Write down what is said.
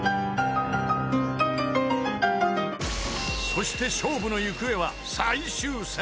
［そして勝負の行方は最終戦］